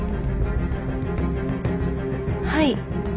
はい。